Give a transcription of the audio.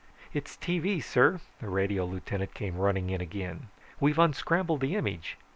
"It's tv, sir!" The radio lieutenant came running in again. "We've unscrambled the image.